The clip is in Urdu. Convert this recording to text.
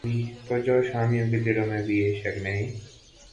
پرجوش حامیوں کے دلوں میں بھی یہ شک نہیں